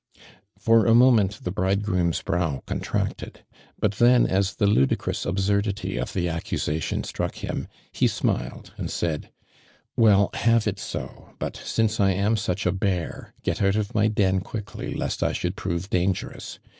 For a moment the bridegroom's brow contracted, but then as the ludicrqus ab surdity of the accusation struck IiLtj, he smiled and said: "Well, have it so, but, since I am such a beilr, get out of my den quickly, lest I shottld prove dangerous.